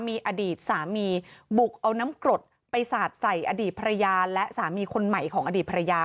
มีอดีตสามีบุกเอาน้ำกรดไปสาดใส่อดีตภรรยาและสามีคนใหม่ของอดีตภรรยา